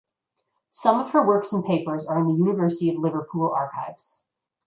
Some of her works and papers are in the University of Liverpool archives.